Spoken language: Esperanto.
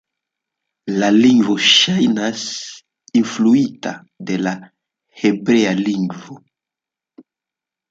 La lingvo ŝajnas influita de la hebrea lingvo.